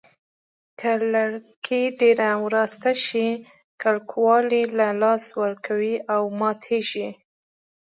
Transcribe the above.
که لرګي ډېر وراسته شي کلکوالی له لاسه ورکوي او ماتېږي.